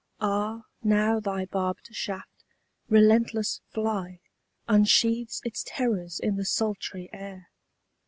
—Ah now thy barbed shaft, relentless fly, Unsheaths its terrors in the sultry air!